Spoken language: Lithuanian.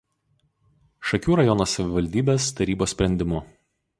Šakių rajono savivaldybės tarybos sprendimu.